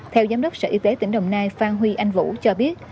theo giám đốc sở y tế tỉnh đồng nai phan huy anh vũ cho biết